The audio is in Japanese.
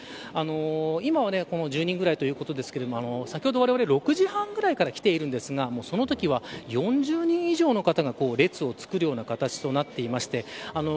今は１０人ぐらいということですが先ほど、われわれ６時半ぐらいから来ているんですがそのときは４０人以上の方が列を作るような形となっていまして